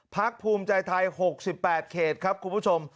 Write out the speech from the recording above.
ภูมิใจไทย๖๘เขตครับคุณผู้ชม